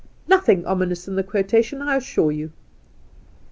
Nothing ominous in the quotation, I assure you."